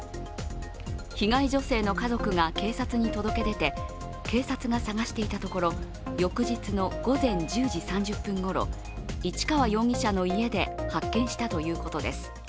被害女性の家族が警察に届け出て、警察が捜していたところ翌日の午前１０時３０分ごろ、市川容疑者の家で発見したということです。